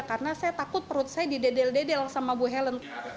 karena saya takut perut saya didedel dedel sama bu helen